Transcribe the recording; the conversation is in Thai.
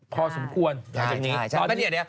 พอสมควร